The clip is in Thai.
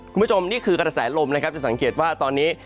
คุณผู้ชมนี่คือกระแสลมนะครับจะสังเกตว่าตอนนี้